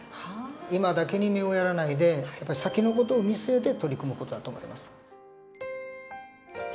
今だけに目をやらないで先の事を見据えて取り組む事だと思います。